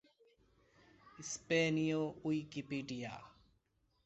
স্পেনীয় উইকিপিডিয়া